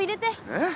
えっ？